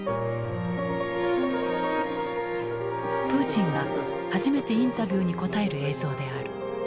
プーチンが初めてインタビューに答える映像である。